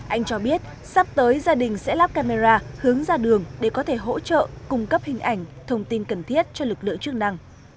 anh cho biết sắp tới gia đình sẽ lắp camera hướng ra đường để có thể hỗ trợ cung cấp hình ảnh thông tin cần thiết cho lực lượng chức năng